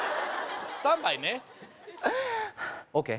スタンバイねＯＫ